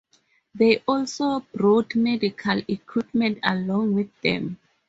They also brought medical equipment along with them.